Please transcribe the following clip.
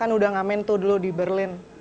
kan udah ngamen tuh dulu di berlin